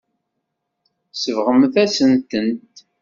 Tsebɣemt-asen-tent.